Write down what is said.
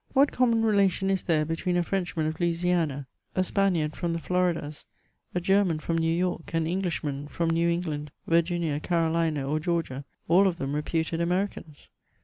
What common relation is there between a Frenchman of Louisiana, a Spaniard from the CHATEAUBRIAND. 303 Floridas, a German £rom New York, an Englishman from New England, Virginia, Carolina, or Georgia, lul of them reputed Amerioans